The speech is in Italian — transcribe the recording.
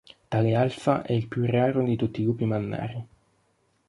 Tale alfa è il più raro di tutti i lupi mannari.